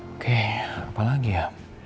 oke apalagi ya